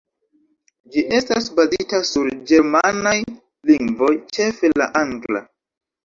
Ĝi estas bazita sur ĝermanaj lingvoj, ĉefe la angla.